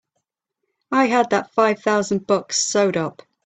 I had that five thousand bucks sewed up!